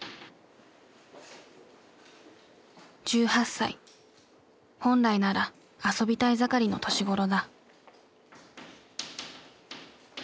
１８歳本来なら遊びたい盛りの年頃だ。